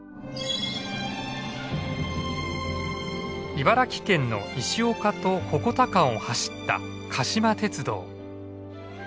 茨城県の石岡と鉾田間を走った鹿島鉄道。